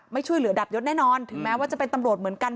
ไม่ช่วยเหลือดับยศแน่นอนถึงแม้ว่าจะเป็นตำรวจเหมือนกัน